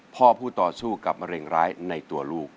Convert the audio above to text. พ่อผู้ต่อสู้กับมะเร็งร้ายในตัวลูก